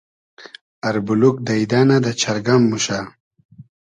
اربولوگ دݷدۂ نۂ , دۂ چئرگئم موشۂ